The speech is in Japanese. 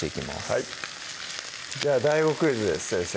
はいじゃあＤＡＩＧＯクイズです先生